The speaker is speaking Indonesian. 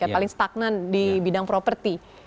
paling stagnan di bidang properti